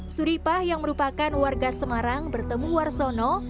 suripah yang merupakan warga semarang bertemu warsono